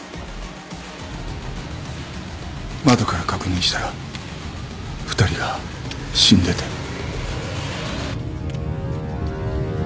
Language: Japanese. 窓から確認したら２人が死んでて。